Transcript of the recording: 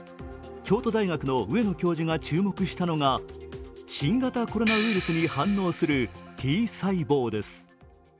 京都大学の上野教授が注目したのが新型コロナウイルスに反応するＴ細胞です。